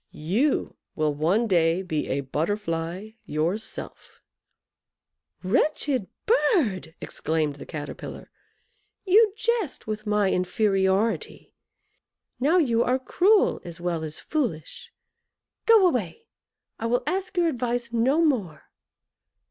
You will one day be a Butterfly yourself." "Wretched bird!" exclaimed the Caterpillar, "you jest with my inferiority now you are cruel as well as foolish. Go away! I will ask your advice no more."